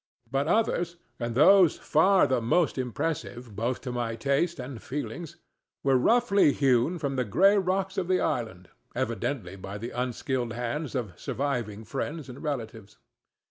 But others—and those far the most impressive both to my taste and feelings—were roughly hewn from the gray rocks of the island, evidently by the unskilled hands of surviving friends and relatives.